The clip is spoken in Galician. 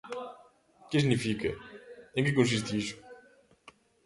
¿Que significa?, ¿en que consiste iso?